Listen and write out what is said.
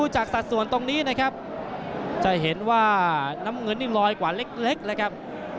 จะเห็นว่าน้ำเงินนี่ลอยกว่าเล็กเลยครับ